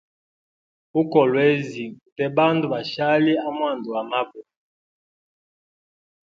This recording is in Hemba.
U kolwezi ute bandu bashali amwanda gwa mabwe.